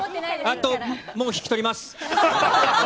あと、もう引き取ります。